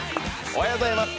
おはようございます。